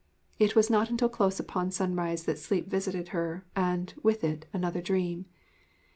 It was not until close upon sunrise that sleep visited her and, with it, another dream.